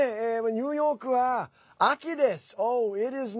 ニューヨークは秋です。